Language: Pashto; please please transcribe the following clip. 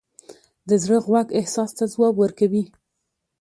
د زړه غوږ احساس ته ځواب ورکوي.